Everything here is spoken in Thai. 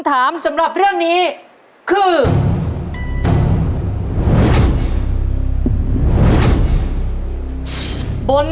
ขอบคุณค่ะ